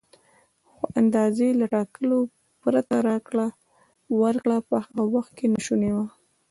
خو د اندازې له ټاکلو پرته راکړه ورکړه په هغه وخت کې ناشونې وه.